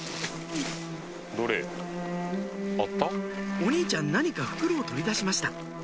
お兄ちゃん何か袋を取り出しました